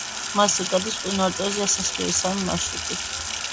მასზე გადის მყინვარწვერზე ასასვლელი სამი მარშრუტი.